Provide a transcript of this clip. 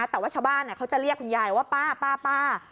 แต่ว่าชาวบ้านเขาจะเรียกคุณยายว่าป้า